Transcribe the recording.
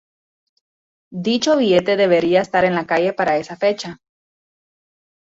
Dicho billete debería estar en la calle para esa fecha.